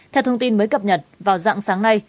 theo thông tin mới cập nhật vào dạng sáng nay